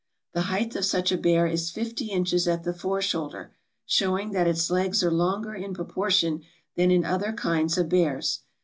The height of such a bear is 50 inches at the fore shoulder, showing that its legs are longer in proportion than in other kinds of bears.